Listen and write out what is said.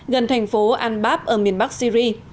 gần thành phố al bab ở miền bắc syri